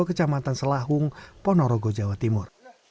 kecamatan selahung ponorogo jawa timur